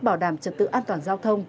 bảo đảm trật tự an toàn giao thông